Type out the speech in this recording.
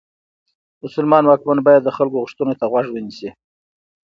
مسلمان واکمن باید د خلکو غوښتنو ته غوږ ونیسي.